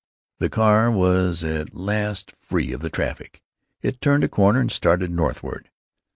The car was at last free of the traffic. It turned a corner and started northward.